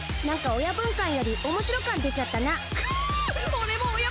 なんか親分感よりおもしろ感出ちゃったなくぅうう！